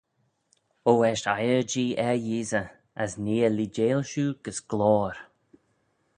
O eisht eiyr-jee er Yeesey—as nee eh leeideil shiu gys gloyr.